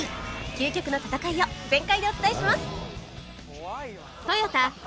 究極の戦いを全開でお伝えします